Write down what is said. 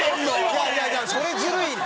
いやいやいやそれずるいで。